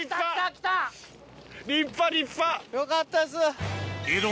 よかったです！